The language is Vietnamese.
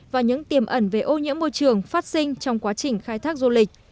và những tiềm ẩn về ô nhiễm môi trường phát sinh trong quá trình khai thác du lịch